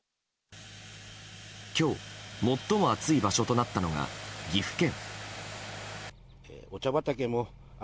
今日、最も暑い場所となったのが岐阜県。